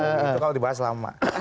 itu kalau dibahas lama